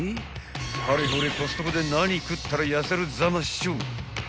［はれほれコストコで何食ったら痩せるざましょう？］